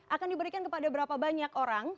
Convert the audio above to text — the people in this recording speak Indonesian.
akan diberikan kepada berapa banyak orang